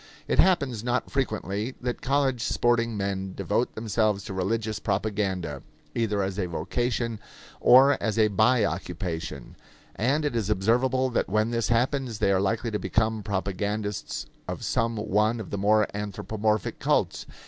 It happens not frequently that college sporting men devote themselves to religious propaganda, either as a vocation or as a by occupation; and it is observable that when this happens they are likely to become propagandists of some one of the more anthropomorphic cults.